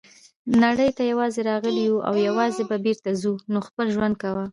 نړۍ ته یوازي راغلي یوو او یوازي به بیرته ځو نو خپل ژوند کوه.